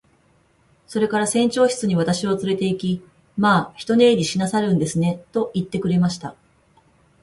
それから船長室に私をつれて行き、「まあ一寝入りしなさるんですね。」と言ってくれました。